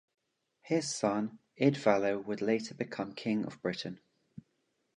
His son Idvallo would later become king of Britain.